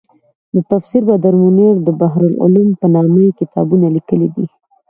د تفسیر بدرمنیر او بحرالعلوم په نامه یې کتابونه لیکلي دي.